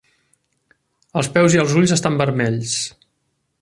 Els peus i els ulls estan vermells.